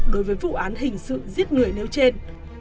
đối với vụ án hình sự giết người nêu trên